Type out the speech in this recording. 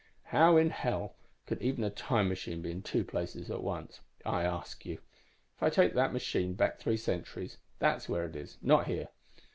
How in hell could even a time machine be in two places at once, I ask you? If I take that machine back three centuries, that's where it is not here.